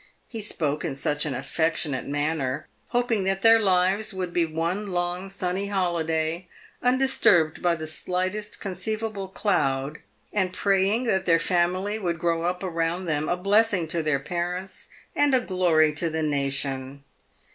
He spoke in such an affectionate manner, hoping that their lives would be one long sunny holiday, undisturbed by the slightest conceivable cloud, and praying that their family would grow up around them, a blessing to their parents and a glory to the nation.